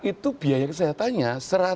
itu biaya kesehatannya satu ratus dua puluh empat